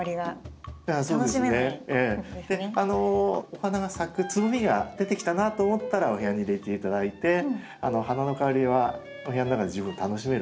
お花が咲くつぼみが出てきたなと思ったらお部屋に入れて頂いて花の香りはお部屋の中で十分楽しめると思いますので。